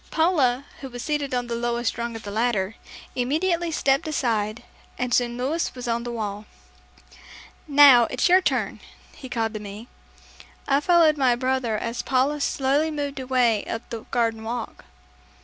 Paula, who was seated on the lowest rung of the ladder, immediately stepped aside and soon Louis was on the wall. "Now, it's your turn," he called to me. I followed my brother as Paula slowly moved away up the garden walk.